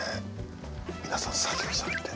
皆さん作業されて。